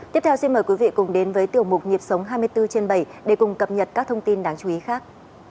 tiếp theo xin mời quý vị cùng đến với tiểu mục nhịp sống hai mươi bốn trên bảy để cùng cập nhật các thông tin đáng chú ý khác